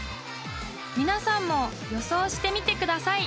［皆さんも予想してみてください］